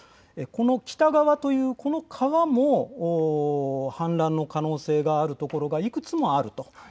この北川という川も氾濫の可能性がある所がいくつもある。